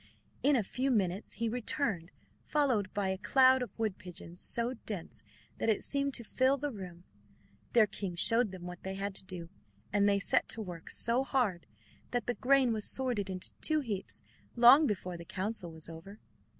In a few minutes he returned, followed by a cloud of wood pigeons, so dense that it seemed to fill the room. Their king showed them what they had to do, and they set to work so hard that the grain was sorted into two heaps long before the council was over.